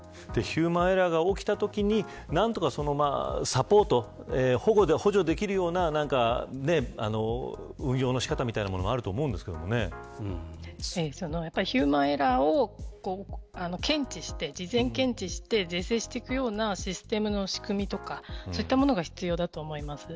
ヒューマンエラーが起きたときに何とか補助できるような運用の仕方もあるヒューマンエラーを検知して事前検知して是正していくようなシステムの仕組みとかそういうものが必要だと思います。